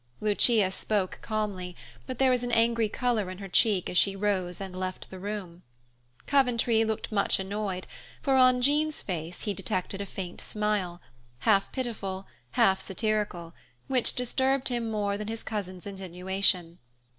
Lucia spoke calmly, but there was an angry color in her cheek as she rose and left the room. Coventry looked much annoyed, for on Jean's face he detected a faint smile, half pitiful, half satirical, which disturbed him more than his cousin's insinuation.